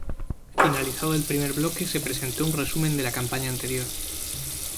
Finalizado el primer bloque se presentó un resumen de la campaña anterior.